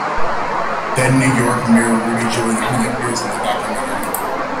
Then-New York Mayor Rudy Giuliani appears in the documentary.